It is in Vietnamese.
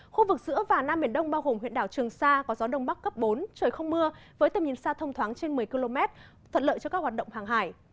khu vực giữa và nam biển đông bao gồm huyện đảo trường sa có gió đông bắc cấp bốn trời không mưa với tầm nhìn xa thông thoáng trên một mươi km thuận lợi cho các hoạt động hàng hải